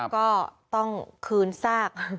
ก็ต้องคืนซาก